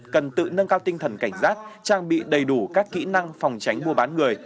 cần tự nâng cao tinh thần cảnh giác trang bị đầy đủ các kỹ năng phòng tránh mua bán người